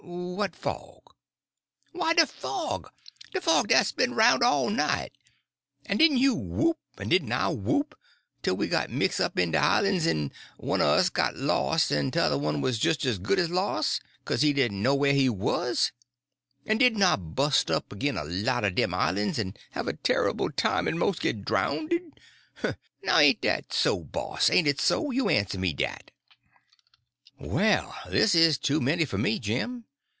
"What fog?" "Why, de fog!—de fog dat's been aroun' all night. En didn't you whoop, en didn't I whoop, tell we got mix' up in de islands en one un us got los' en t'other one was jis' as good as los', 'kase he didn' know whah he wuz? En didn't I bust up agin a lot er dem islands en have a turrible time en mos' git drownded? Now ain' dat so, boss—ain't it so? You answer me dat." "Well, this is too many for me, Jim.